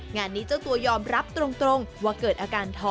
งานนี้เจ้าตัวยอมรับตรงว่าเกิดอาการท้อ